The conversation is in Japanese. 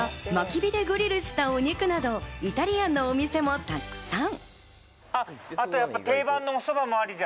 また、薪火でグリルしたお肉など、イタリアンのお店もたくさん。